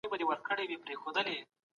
بېلابېل علوم له فلسفې څخه جلا سول.